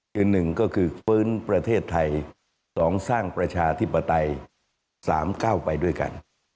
คือ๑ก็คือฟื้นประเทศไทย๒สร้างประชาธิปไตย๓ก้าวไปด้วยกัน